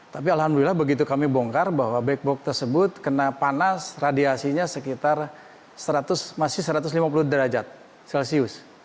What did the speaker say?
tapi alhamdulillah begitu kami bongkar bahwa black box tersebut kena panas radiasinya sekitar masih satu ratus lima puluh derajat celcius